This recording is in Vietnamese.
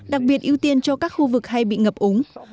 đặc biệt ưu tiên cho các khu vực hay bị ngập úng